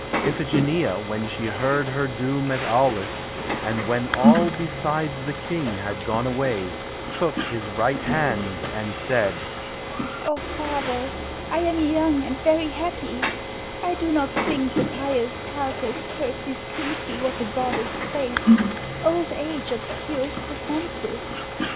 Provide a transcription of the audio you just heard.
Iphigeneia, when she heard her doom At Aulis, and when all beside the king Had gone away, took his right hand, and said: "O father! I am young and very happy. I do not think the pious Calchas heard Distinctly what the goddess spake; old age Obscures the senses.